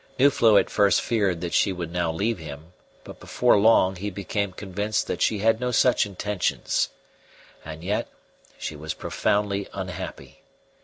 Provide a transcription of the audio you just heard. Nuflo at first feared that she would now leave him, but before long he became convinced that she had no such intentions. And yet she was profoundly unhappy.